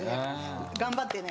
頑張ってね。